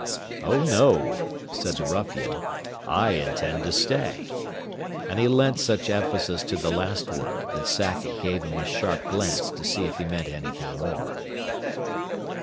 "Oh, no," said the ruffian, "I intend to stay." And he lent such emphasis to the last word that Sackett gave him a sharp glance to see if he meant anything more.